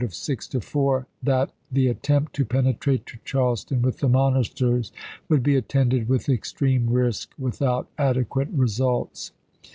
of six to four that the attempt to penetrate to Charleston with the monitors would be attended with extreme risk without adequate results.